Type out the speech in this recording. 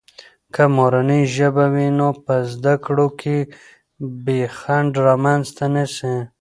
که مورنۍ ژبه وي، نو په زده کړو کې بې خنډ رامنځته نه سي.